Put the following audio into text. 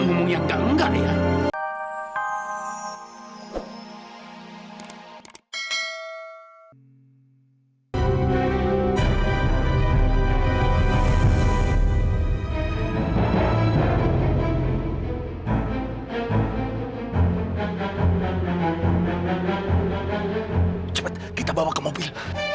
ngomong yang enggak ya cepet kita bawa ke mobil